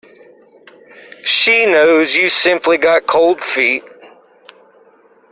She knows you simply got cold feet.